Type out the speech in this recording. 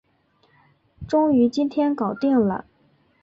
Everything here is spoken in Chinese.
终于今天搞定了